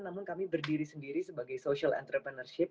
namun kami berdiri sendiri sebagai social entrepreneurship